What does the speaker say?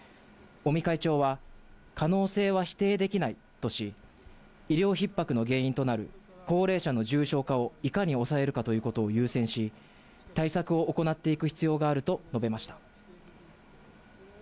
尾身会長は、可能性は否定できないとし、医療ひっ迫の原因となる高齢者の重症化をいかに抑えるかということを優先し、対策を行っていく必要があると述べました。